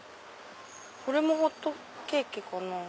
これもホットケーキかな？